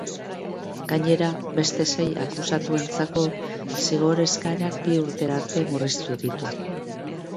Gainera, beste sei akusatuentzako zigor eskaerak bi urtera arte murriztu ditu.